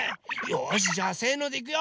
よしじゃあせのでいくよ！